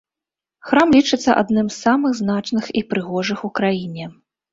Храм лічыцца адным з самых значных і прыгожых у краіне.